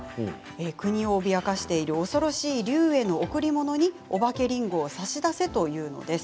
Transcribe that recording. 国を脅かしている恐ろしいリュウへの贈り物におばけリンゴを差し出せと言うのです。